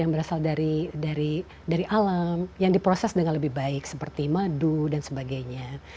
yang berasal dari alam yang diproses dengan lebih baik seperti madu dan sebagainya